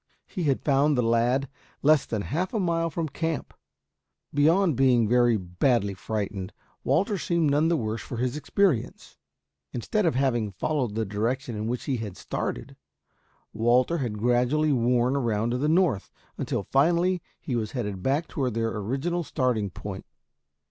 He had found the lad less than half a mile from camp. Beyond being very badly frightened, Walter seemed none the worse for his experience. Instead of having followed the direction in which he had started, Walter had gradually worn around to the north until finally he was headed back toward their original starting point.